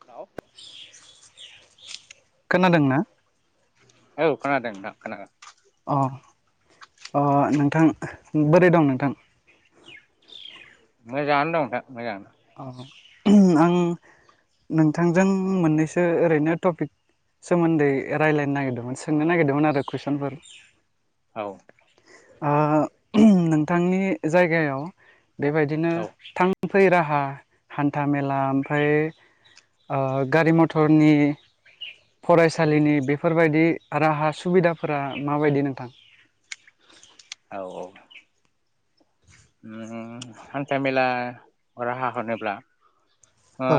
हाव खोनादोंना? औ खोनादों नोंथां खोनादों। अ अ नोंथां बोरै दं नोंथां? मोजाङानो दं नोंथां मोजाङानो। औ आं नोंथांजों मोननैसो ओरैनो टपिक सोमोन्दै रायज्लायनो नागिरदोंमोन सोंनो नागिरदोंमोन आरो कुइसनफोर औ। ओ नोंथांनि जायगायाव बेबायदिनो औ थां फै राहा हान्था मेला ओमफ्राय आ गारि मथरनि फरायसालिनि बेफोरबायदि राहा सुबिदाफोरा माबायदि नोंथां औ औ उम हान्था मेला राहा होनोब्ला ओ औ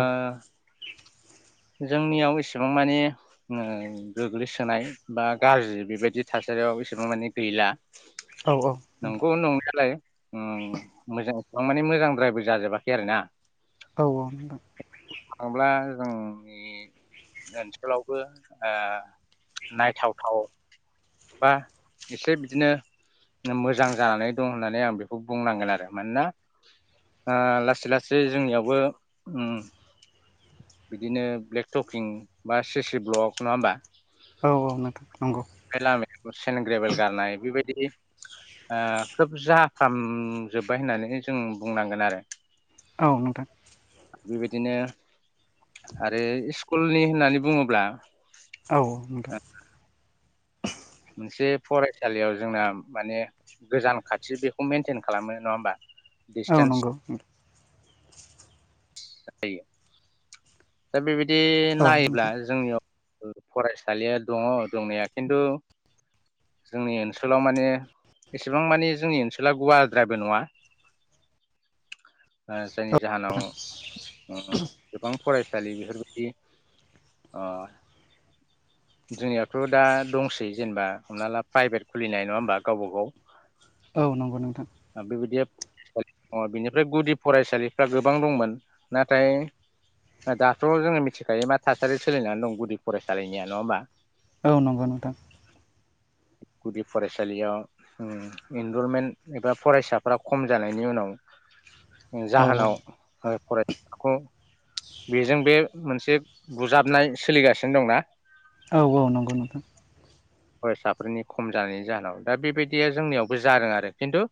जोंनियाव एसेबां मानि ओ गोग्लैसोनाय बा गाज्रि बेबायदि थासारियाव एसेबां माने गैला। औ औ। नंगौ नंनायालाय मोजांसेबां माने मोजांद्रायबो जाजोबाखै आरो ना। औ औ नोंथां। थांयो ब्ला जों जोंनि ओनसोलावबो ओ नायथावथाव बा एसे बिदिनो मोजां जानानै दं होननानै आं बेखौ बुंनांगोन आरो मानोना आ लासै लासै जोंनियावबो ओम बिदिनो ब्लेक टकिं बा सिसि ब्ल'ग नङा होमबा औ औ नोंथां नंगौ लामा सेन ग्रेबेल गारनाय बेबायदि आ खोब जा फाम जोब्बाय होननानै जों बुंनांगोन आरो औ नोंथां बेबायदिनो आरो स्कुलनि होननानै बुङोब्ला औ नोंथां मोनसे फरायसालियाव जोंना माने गोजान खाथि बेखौ मेनटेन खालामो नङा होमबा औ डिसटेन्स नंगौ जायो दा बेबायदि औ नायोब्ला नोंथां जोंनियाव फरायसालिया दङ दंनाया खिन्थु जोंनि ओनसोलाव माने एसेबां मानि जोंनि ओनसोला गुवारद्रायबो नङा [inaudible] ओ जायनि जाहोनाव उम गोबां फरायसालि बेफोरबायदि आ जोंनियावथ' दा दंसै जेनबा हमना ला प्राइभेट खुलिनाय नङा होमबा गावबा गाव औ नंगौ नोंथां आ बे बायदिया दङ बिनिफ्राय गुदि फरायसालिफ्रा गोबां दंमोन नाथाय दाथ' जोङो मिथिखायो मा थासारि सोलिनानै दं गुदि फरायसालिनिया नङा होमबा औ नंगौ नोंथां गुदि फरायसालियाव इनरलमेन्ट एबा फरायसाफ्रा खम जानायनि उनाव [inaudible] जाहोनाव ओ फराय खौ बेजों बे मोनसे बुजाबनाय सोलिगासिनो दंना औ औ नंगौ नोंथां फरायसाफोरनि खम जानायनि जाहोनाव दा बेबायदिया जोंनियावबो जादों आरो खिन्थु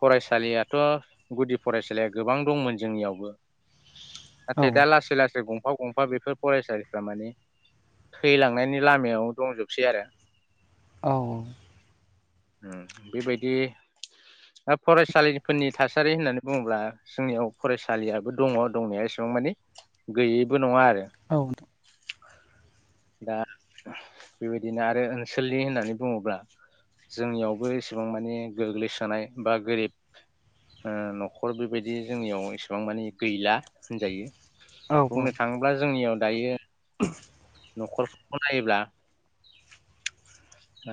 फरायसालियाथ' गुदि फरायसालिया गोबां दंमोन जोंनियावबो औ आन्थाय दा लासै गंफा गं फा बेफोर फरायसालिफ्रा माने थैलांनायनि लामायाव दंजोबसै आरो औ औ उम बेबायदि फरायसालिफोरनि थासारि होननानै बुङोब्ला जोंनियाव फरायसालियाबो दङ दंनाया एसेबां मानि गैयैबो नङा आरो। औ। दा बेबायदिनो आरो ओनसोलनि होननानै बुङोब्ला जोंनियावबो एसेबां मानि गोग्लैसोनाय बा गोरिब ओ न'खर बेबायदि जोंनियाव एसेबां मानि गैला होनजायो। औ बुंनो नोंथां थाङोब्ला जोंनियाव दायो [inaudible] न'खरफोरखौ नायोब्ला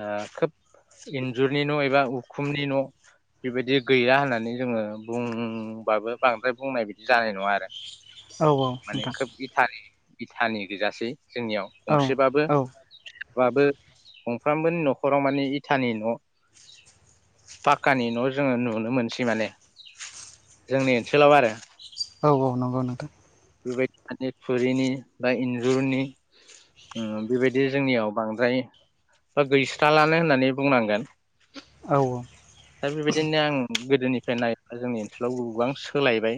ओ खोब इन्जुरनि न' एबा उखुमनि न' बेबायदि गैया होननानै जोङो बुंबाबो बांद्राय बुंनाय बिदि जानाय नङा आरो औ माने खोब इथानि इथानि गोजासै जोंनियाव औ गंसेबाबो [unintelligible] गंफ्रामबोनि न'खराव माने इटानि न' पाक्कानि न' जोङो नुनो मोनसै माने जोंनि ओनसोलाव आरो। औ औ नंगौ नोंथां। बेबायदि माने थुरिनि बा इन्जुरनि उम बेबायदि जोंनियाव बांद्राय बा गैस्रालानो होननानै बुंनांगोन। औ औ। औ दा बेबायदिनो आं गोदोनिफ्राय नायोब्ला जोंनि ओनसोलाव गोबां सोलायबाय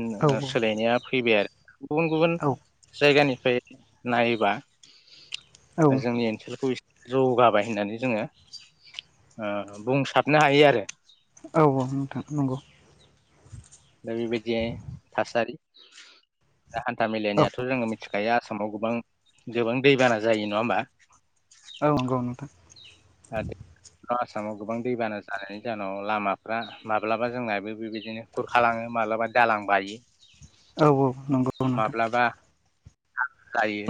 ओ सोलायनाया फैबाय आरो। गुबुन गुबुन औ जायगानिफ्राय नायोबा औ जोंनि ओनसोलखौ एसे जौगाबाय होननानै जोङो ओ बुंसाबनो हायो आरो। औ औ नोंथां नंगौ। दा बेबायदि थासारि दा हान्था औ मेलायनियाथ' जोङो मि मिथिखायो आसामाव गोबां गोबां दैबाना जायो नङा होमबा? औ नंगौ नोंथां। आसामाव गोबां दैबाना जानायनि जाहोनाव लामाफ्रा माब्लाबा जोंनाबो बेबायदिनो खुरखा लाङो मालाबा दालां बायो। औ औ नंगौ नोंथां। माब्लाबा [unintelligible] जायो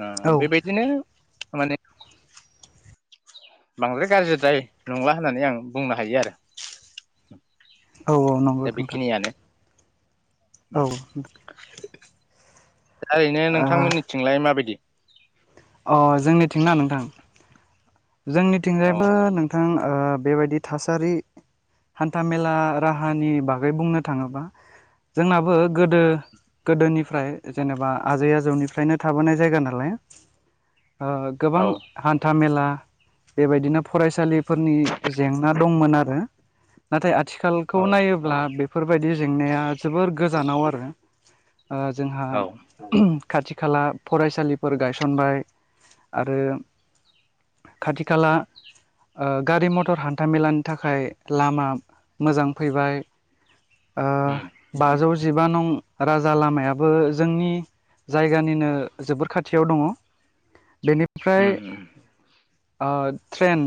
ओ औ बेबायदिनो माने बांद्राय गाज्रिद्राय नंला होननानै आं बुंनो हायो आरो। औ औ नंगौ दा नोंथां। बेखिनियानो उम दा ओरैनो औ नोंथांमोननिथिंलाय माबायदि? अ जोंनिथिंना नोंथां? औ जोंनिथिंजायबो नोंथां ओ बेबायदि थासारि हान्था मेला राहानि बागै बुंनो थाङोबा जोंनाबो गोदो गोदोनिफ्राय जेनेबा आजै आजौनिफ्रायनो थाबोनाय जायगा नालाय, ओ गोबां औ हान्था मेला बेबायदिनो फरायसालिफोरनि जेंना दंमोन आरो। नाथाय आथिखालखौ औ नायोब्ला बेफोरबायदि जेंनाया जोबोर गोजानाव आरो। ओ जोंहा औ [unintelligible] खाथि खाला फरायसालिफोर गायसनबाय आरो खाथि खाला ओ गारि मथर हान्थामेलानि थाखाय लामा मोजां फैबाय ओ उम बाजौ जिबा नं राजा लामायाबो जोंनि जायगानिनो जोबोर खाथियाव दङ'। बेनिफ्राय उम उम ओ ट्रेन,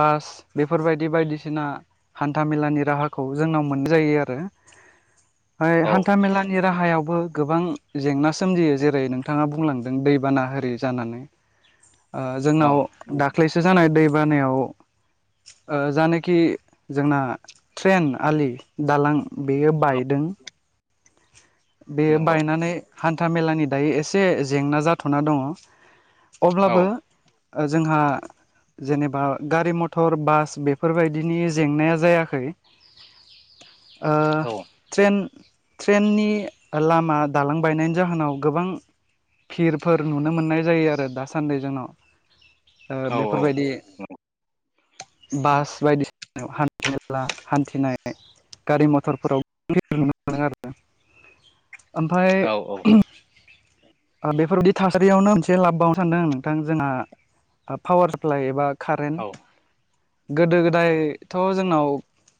बास बेफोरबायदि बायदिसिना हान्था मेलानि राहाखौ जोंनाव मोननाय जायो आरो। फाय औ हान्था मेलानि राहायावबो गोबां जेंना सोमजियो जेरै नोंथाङा बुंलांदों दैबाना होरै जानानै ओ औ जोंनाव दाख्लैसो जानाय दै बानायाव ओ जानोखि जोंना ट्रेन आलि दालां बेयो औ बायदों बेयो नंगौ बायनानै हान्था मेलानि दायो एसे जेंना जाथ'ना दङ औ अब्लाबो जोंहा जेनेबा गारि मथर बास बेफोरबायदिनि जेंनाया जायाखै। ओ औ ट्रेन ट्रेननि लामा दालां बायनायनि जाहोनाव गोबां फिरफोर नुनो मोननाय जायो आरो दासान्दि जोंनाव। ओ औ बेफोरबायदि बास बायदिसिनायाव हान्था मेला हान्थिनाय गारि मथरफोरावनो [unintelligible] नुनो मोनदों आरोना। ओमफ्राय औ औ ओ बेफोरबायदि थासारियावनो मोनसे लाबबावनो सानदों नोंथां जोंहा पावार साप्लाइ एबा औ कारेन्ट गोदो गोदायथ' जोंनाव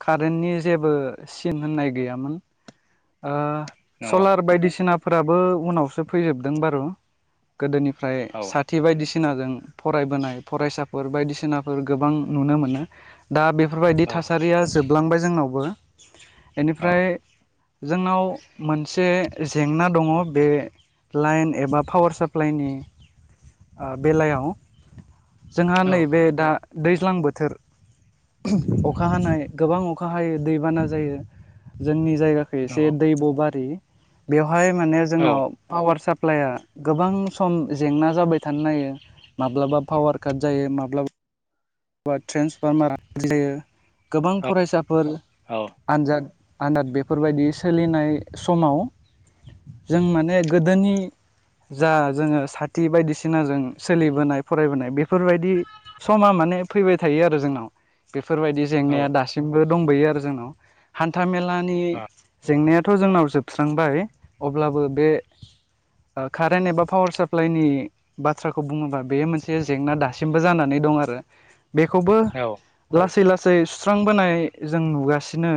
कारेन्टनि जेबो सिन होननाय गैयामोन नंगौ सलार बायदिसिनाफोराबो उनावसो फैजोबदों बारु गोदोनिफ्राय औ साथि बायदिसिनाजों फरायबोनाय फरायसाफोर बायदिसिनाफोर गोबां नुनो मोनो दा बेफोरबायदि औ थासारिया जोबलांबाय जोंनावबो औ बेनिफ्राय जोंनाव मोनसे जेंना दङ बे लाइन एबा पावार साप्लाइनि बेलायाव जोंहा नैबे दा दैज्लां बोथोर अखा हानाय गोबां अखा हायो दैबाना जायो जोंनि जायगाखै एसे नंगौ दैब बारि बेवहाय माने औ जोंनाव पावार साप्लाइआ गोबां सम जेंना जाबाय थानो नायो। माब्लाबा पावार काट जायो माब्लाबा बा ट्रेन्सफारमार जायो गोबां औ फरायसाफोर औ आनजाद आनजाद बेफोरबायदि सोलिनाय समाव जों माने गोदोनि जा जोङो साथि बायदिसिनाजों सोलिबोनाय फरायबोनाय बेफोरबायदि समा माने फैबाय थायो आरो जोंनाव बेफोरबायदि जेंनाया दासिमबो दंबायो आरो जोंनाव हान्था मेला लानि जेंनायाथ' जोंनाव जोबस्रांबाय अब्लाबो बे कारेन्ट एबा पावार साप्लाइनि बाथ्राखौ बुङोबा बेयो मोनसे जेंना दासिमबो जानानै दं आरो। बेखौबो लासै लासै सुस्रांबोनाय जों नुगासिनो।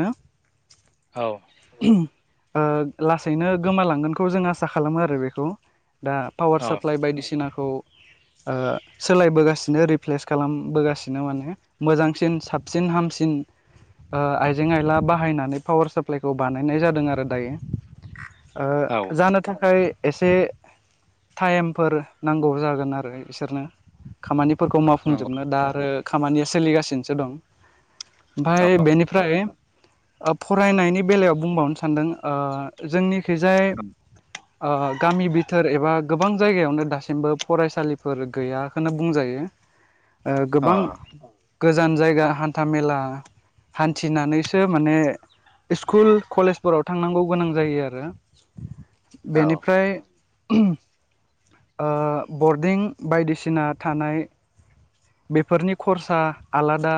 औ लासैनो गोमालांगोनखौ जों आसा खालामो आरो बेखौ दा पावार साप्लाइ बायदिसिना खौ सोलायबोगासिनो रिप्लेस खालामबोगासि नो माने मोजांसिन साबसिन हामसिन आइजें आइला बाहायनानै पावार साप्लाइखौ बानायनाय जादों आरो दायो। जानो थाखाय एसे टाइमफोर नांगौ जागोन आरो बिसोरनो। खामानिफोरखौ नंगौ मावफुंजोबनो दा आरो खामानिया सोलिगासिनोसो दं। आमफाय औ बेनिफ्राय फरायनायनि बेलायाव बुंबावनो सानदों जोंनिखि जाय अ गामि बिथोर एबा गोबां जायगायावनो दासिमबो फरायसालिफोर गैयाखौनो बुंजायो। गोबां गोजान जायगा हान्था मेला हान्थिनानैसो माने इस्कुल कलेजफोराव थांनांगौ गोनां जायो आरो औ बेनिफ्राय ओ बरदििं बायदिसिना थानाय बेफोरनि खरसा आलादा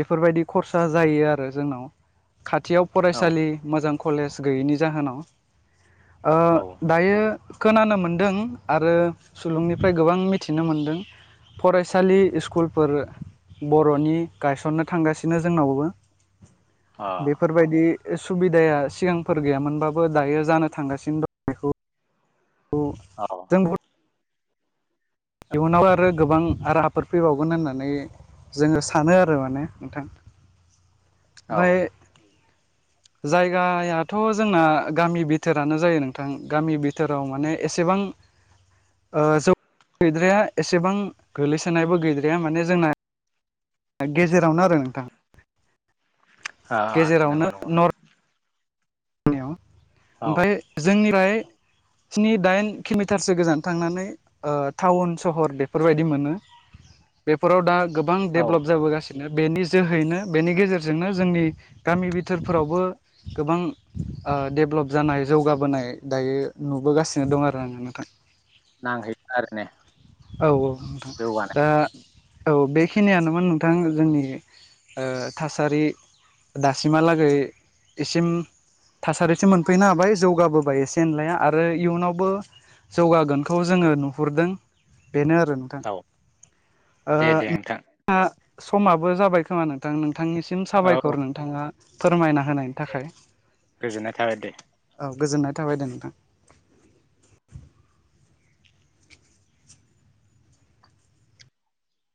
बेफोरबायदि खरसा जायो आरो जोंनाव खाथियाव औ फरायसालि मोजां कलेज गैयैनि जाहोनाव ओ दायो खोनानो मोन्दों आरो सुलुंनिफ्राय गोबां मिथिनो मोनदों फरायसालि स्कुलफोर बर'नि गायसननो थांगासिनो जोंनावबो बेफोर बायदि सुबिदाया सिगांफोर गैयामोनबाबो दायो जानो थांगासिनो दं बेखौ अ जोंबो इयुनाव आरो गोबां राहाफोर फैबावगोन होननानै जोङो सानो आरो माने नोंथां। औ बाय औ जायगायाथ' जोंना गामि बिथोरानो जायो नोंथां गामि बिथोराव माने एसेबां [inaudible] ओ जौ गैद्राया एसेबां गोग्लैसोनायबो गैद्राया माने जोंना गेजेरावनो आरो नोंथां। अ नंगौ नंगौ जनियाव औ ओमफ्राय जोंनिफ्राय स्नि दाइन किल'मिटारसो गोजान थांनानै ओ टाउन सहर बेफोरबायदि मोनो। बेफोराव दा गोबां औ डेभलप जाबोगासिनो नो बेनि जोहैनो बेनि गेजेरजोंनो जोंनि गामि बिथोरफोरावबो गोबां ओ दडेभलप जानाय जौगाबोनाय दायो नुबोगासिनो दं आरो आं नोंथां नांहैदों आरो ने औ औ नोंथां जौगानाय दा औ बेखिनियानोमोन नोंथां जोंनि ओ थासारि दासिमहालागै एसिम थासारिसो मोनफैनो हाबाय जौगाबोबाय एसे एनलाया आरो इयुनावबो जौगागोनखौ जोङो नुहुरदों बेनो आरो औ दे दे नोंथां ओ समाबो जाबाय खोमा नोंथां नों नोंथांनिसिम औ साबायखर नोंथाङा फोरमायना होनायनि थाखाय गोजोननाय थाबाय दे औ गोजोननाय थाबाय दे नोंथां